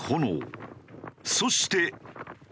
そして。